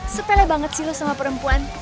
sepele banget sih loh sama perempuan